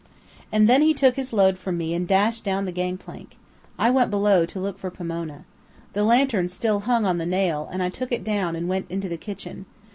And then he took his load from me and dashed down the gang plank. I went below to look for Pomona. The lantern still hung on the nail, and I took it down and went into the kitchen.